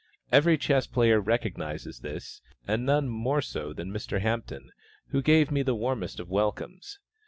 Every chess player recognizes this, and none more so than Mr. Hampton, who gave me the warmest of welcomes.